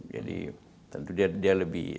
jadi tentu dia lebih